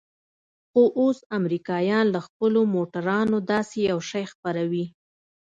خو اوس امريکايان له خپلو موټرانو داسې يو شى خپروي.